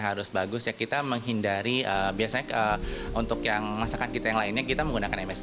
harus bagus ya kita menghindari biasanya untuk yang masakan kita yang lainnya kita menggunakan ms